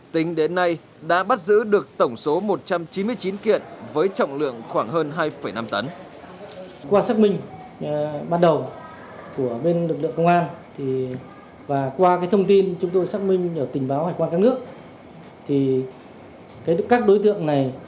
tính đến nay đã bắt giữ được tổng số một trăm chín mươi chín kiện với trọng lượng khoảng hơn hai năm tấn